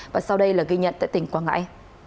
và sau đây là ghi nhận tại tỉnh quảng ngãi